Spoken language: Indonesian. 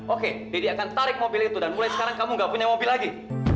oke deddy akan tarik mobil itu dan mulai sekarang kamu gak punya mobil lagi